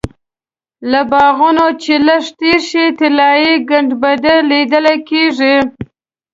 له باغونو چې لږ تېر شې طلایي ګنبده لیدل کېږي.